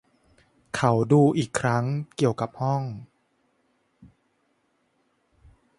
เขาดูอีกครั้งเกี่ยวกับห้อง